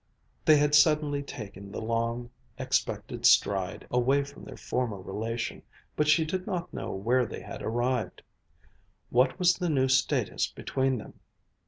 They had suddenly taken the long expected stride away from their former relation, but she did not know where they had arrived. What was the new status between them?